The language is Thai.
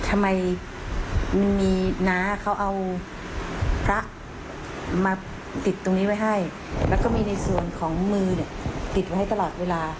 ทำไมมันมีน้าเขาเอาพระมาติดตรงนี้ไว้ให้แล้วก็มีในส่วนของมือเนี่ยติดไว้ตลอดเวลา